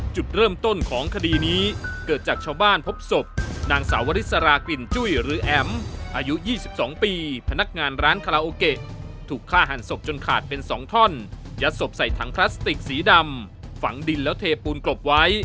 จุดเริ่มต้นของคดีนี้เกิดจากชาวบ้านพบศพนางสาววริสรากลิ่นจุ้ยหรือแอ๋มอายุ๒๒ปีพนักงานร้านคาราโอเกะถูกฆ่าหันศพจนขาดเป็น๒ท่อนยัดศพใส่ถังพลาสติกสีดำฝังดินแล้วเทปูนกลบไว้